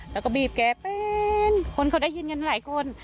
แล้วก็บีบแกเป็นคนเขาได้ยินกันหลายคน